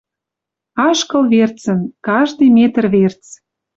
Ашкыл верцӹн, каждый метр верц.